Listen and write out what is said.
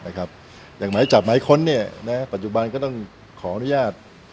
หมายจับหมายค้นปัจจุบันก็ต้องขออนุญาต